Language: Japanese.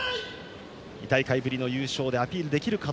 ２大会ぶりの優勝でアピールできるか。